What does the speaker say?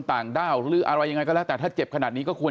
ต่างด้าวหรืออะไรยังไงก็แล้วแต่ถ้าเจ็บขนาดนี้ก็ควร